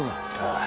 ああ。